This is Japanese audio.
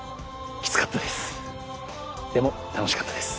きつかったです。